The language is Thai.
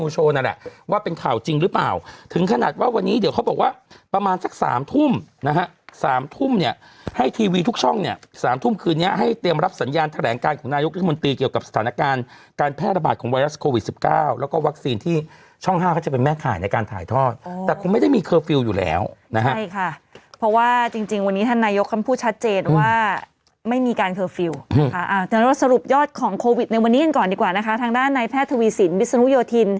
โชว์นั่นแหละว่าเป็นข่าวจริงหรือเปล่าถึงขนาดว่าวันนี้เดี๋ยวเขาบอกว่าประมาณสัก๓ทุ่มนะฮะ๓ทุ่มเนี่ยให้ทีวีทุกช่องเนี่ย๓ทุ่มคืนนี้ให้เตรียมรับสัญญาณแถลงการของนายกรุงมนตรีเกี่ยวกับสถานการณ์การแพร่ระบาดของไวรัสโควิด๑๙แล้วก็วัคซีนที่ช่อง๕จะเป็นแม่ข่ายในการถ่ายท